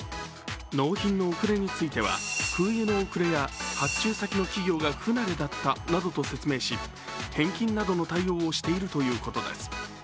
納品の遅れについては空輸の遅れや、発注先の企業が不慣れだったと説明し返金などの対応をしているということです。